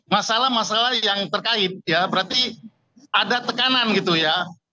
masalah masalah yang terkait ya berarti ada tekanan gitu ya